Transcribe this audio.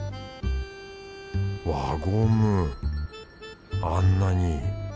輪ゴムあんなに。